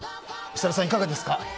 設楽さん、いかがですか？